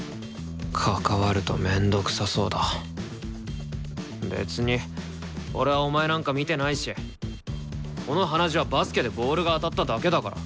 関わると面倒くさそうだ別に俺はお前なんか見てないしこの鼻血はバスケでボールが当たっただけだから。